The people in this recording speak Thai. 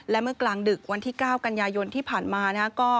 และเมื่อกลางดึกวันที่๙กันยายนที่ผ่านมา